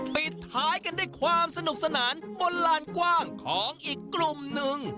ปิดท้ายกันด้วยความสนุกสนานบนลานกว้างของอีกกลุ่มหนึ่ง